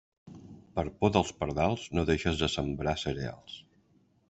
Per por dels pardals, no deixes de sembrar cereals.